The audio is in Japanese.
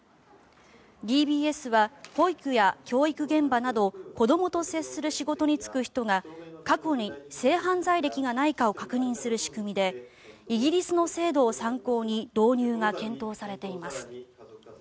ＤＢＳは保育や教育現場など子どもと接する仕事に就く人が過去に性犯罪歴がないかを確認する仕組みでイギリスの制度を参考に導入が検討されています。